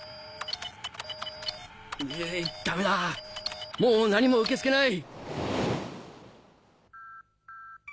えぇ⁉ダメだもう何も受け付けない！